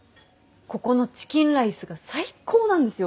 ここのチキンライスが最高なんですよ！